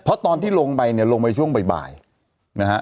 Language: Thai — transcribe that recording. เพราะตอนที่ลงไปเนี่ยลงไปช่วงบ่ายนะฮะ